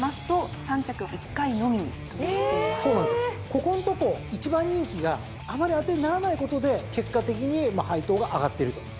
ここんとこ１番人気があんまり当てにならないことで結果的に配当が上がっていると。